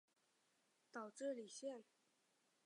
岛智里线